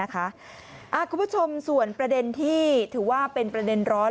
คุณผู้ชมส่วนประเด็นที่ถือว่าเป็นประเด็นร้อน